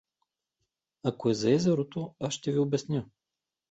Ако е за езерото, аз ще ви обясня.